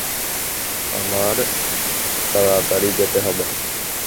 আমার তারাতাড়ি যেতে হবে।